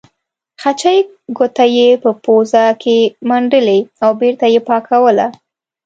خچۍ ګوته یې په پوزه کې منډلې او بېرته یې پاکوله.